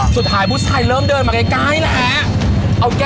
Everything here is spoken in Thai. สุดท้ายผู้ชายเริ่มเดินมาใกล้แล้ว